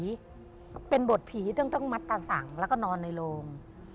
ไปเป็นบทผีจึงต้องปรับการตัดสั่งแล้วก็นอนในโรง